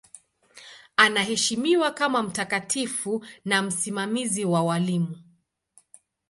Anaheshimiwa kama mtakatifu na msimamizi wa walimu.